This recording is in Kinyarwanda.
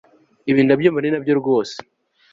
ibi ndabyumva ninabyo rwose